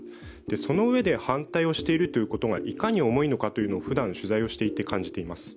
そのうえで反対をしているということがいかに重いのかふだん取材をしていて感じています。